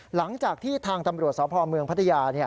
หลังจากที่ทางตำรวจสพเมืองพัทยา